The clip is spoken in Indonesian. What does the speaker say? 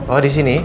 oh di sini